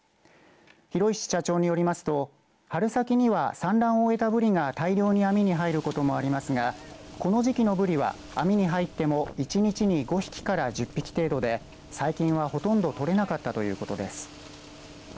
廣石社長によりますと春先には、産卵を終えたブリが大量に網に入ることもありますがこの時期のブリは網に入っても１日に５匹から１０匹程度で最近は、ほとんど取れなかったということです。